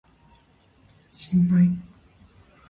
新米